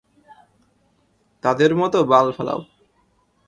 তাদের মত বাল ফেলাও।